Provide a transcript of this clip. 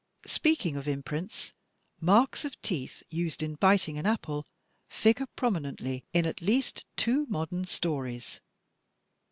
Speaking of imprints, marks of teeth used in biting an apple, figure prominently in at least two modem stories.